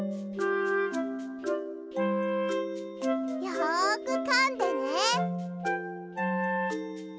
よくかんでね。